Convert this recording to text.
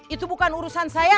itu bukan urusan saya